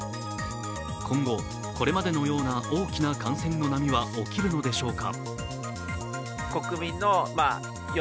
今後、これまでのような大きな感染の波は起きるのでしょうか。